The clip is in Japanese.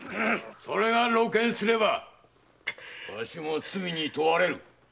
それが露見すればわしも罪に問われる。